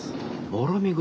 もろみ蔵。